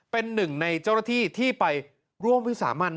เป็นหนึ่งในเจ้าหน้าที่ที่ไปร่วมวิสามัน